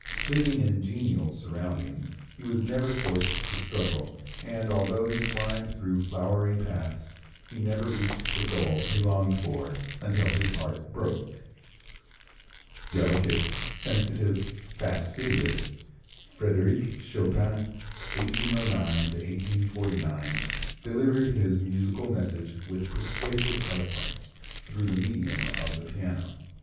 Living in genial surroundings, he was never forced to struggle, and although he climbed through flowery paths, he never reached the goal he longed for until his heart broke. Delicate, sensitive, fastidious, Frédéric Chopin (1809 1849) delivered his musical message with persuasive eloquence through the medium of the piano.